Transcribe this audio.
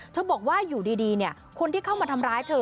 บอกว่าอยู่ดีคนที่เข้ามาทำร้ายเธอ